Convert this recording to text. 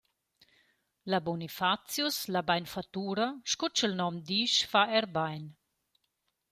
La Bonifazius, la bainfattura, sco cha’l nom disch, fa eir bain.